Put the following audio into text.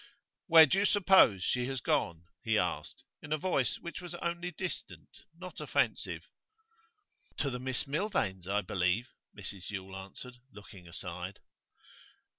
'Where do you suppose she has gone?' he asked, in a voice which was only distant, not offensive. 'To the Miss Milvains, I believe,' Mrs Yule answered, looking aside.